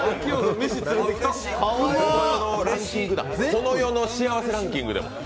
この世の幸せランキングで。